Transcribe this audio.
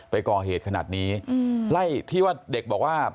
ไปก่อเหตุขนาดนี้ไล่ที่ว่าเด็กบอกว่า